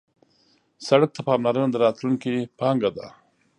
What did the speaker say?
سړک ته پاملرنه د راتلونکي پانګه ده.